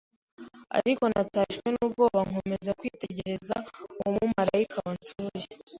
ariko natashywe n’ubwoba nkomeza kwitegereza uwo mumarayika wansuye.